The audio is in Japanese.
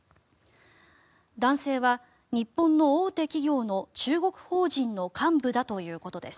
男性は日本の大手企業の中国法人の幹部だということです。